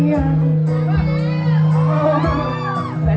ฉันที่มีกลุ่มพิมพ์ไว้